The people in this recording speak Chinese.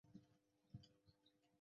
博纳沃修道院人口变化图示